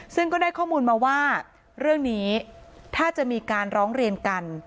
ซึ่งก็ได้ข้อมูลมาว่าเรื่องนี้ถ้าจะมีการร้องเรียนกัน